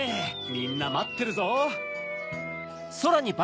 みんなまってるぞ。